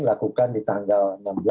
lakukan di tanggal enam belas